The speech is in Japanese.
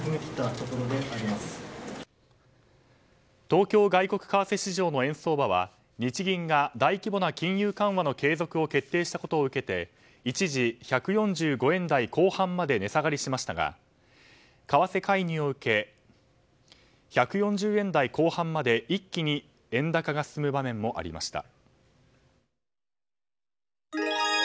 東京外国為替市場の円相場は日銀が大規模な金融緩和の継続を決定したことを受けて一時、１４５円台後半まで値下がりしましたが為替介入を受け１４０円台後半まで一気に円高が進む場面もありました。